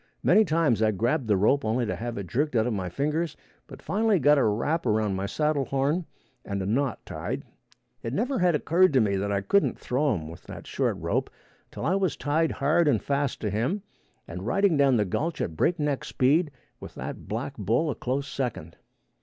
Many times I grabbed the rope only to have it jerked out of my fingers, but finally got a wrap around my saddle horn and a knot tied. It never had occurred to me I couldn't throw him with that short rope till I was tied hard and fast to him and riding down the gulch at break neck speed with that black bull a close second.